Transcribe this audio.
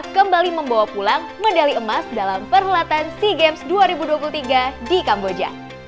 kembali membawa pulang medali emas dalam perhelatan sea games dua ribu dua puluh tiga di kamboja